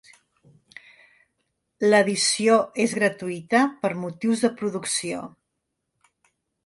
L'edició és gratuïta per motius de producció.